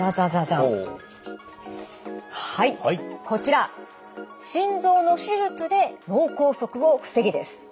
こちら「心臓の手術で脳梗塞を防げ！」です。